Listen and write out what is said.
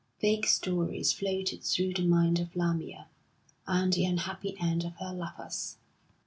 Vague stories floated through the mind of Lamia, and the unhappy end of her lovers.